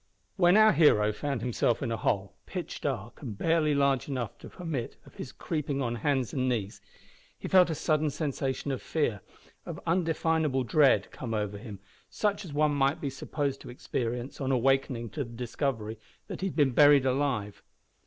When our hero found himself in a hole, pitch dark and barely large enough to permit of his creeping on hands and knees, he felt a sudden sensation of fear of undefinable dread come over him, such as one might be supposed to experience on awaking to the discovery that he had been buried alive.